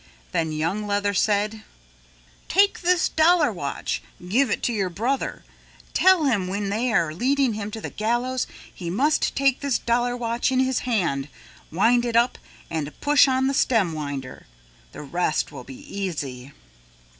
Then Young Leather said, "Take this dollar watch. Give it to your brother. Tell him when they are leading him to the gallows he must take this dollar watch in his hand, wind it up and push on the stem winder. The rest will be easy."